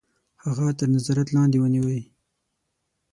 هغه تر نظارت لاندي ونیوی.